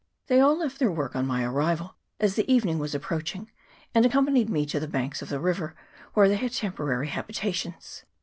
They all left their work on my arrival, as the evening was approaching, and accompanied me to the banks of the river, where they had temporary habitations.